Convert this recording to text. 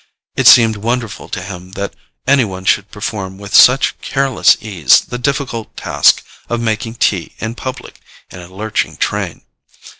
It seemed wonderful to him that any one should perform with such careless ease the difficult task of making tea in public in a lurching train.